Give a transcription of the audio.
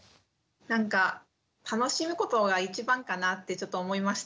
なんか楽しむことが一番かなってちょっと思いました。